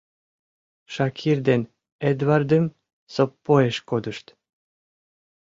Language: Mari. Шакир ден Эдвардым соппоэш кодышт.